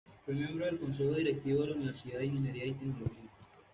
Fue miembro del Consejo Directivo de la Universidad de Ingeniería y Tecnología.